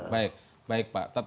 baik baik pak